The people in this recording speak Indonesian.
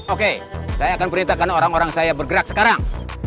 oke saya akan perintahkan orang orang saya bergerak sekarang